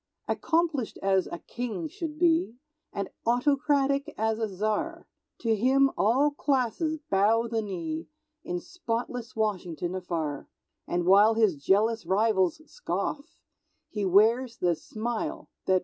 Accomplished as a King should be, And autocratic as a Czar, To him all classes bow the knee, In spotless Washington afar; And while his jealous rivals scoff, He wears the smile that won't come off.